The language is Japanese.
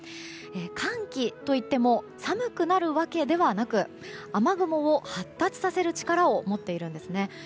寒気といっても寒くなるわけではなく雨雲を発達させる力を持っているんですね。